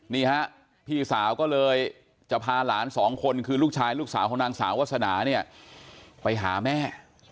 นี่ฮะพี่สาวก็เลยจะพาหลานสองคนคือลูกชายลูกสาวของนางสาววาสนาเนี่ยไปหาแม่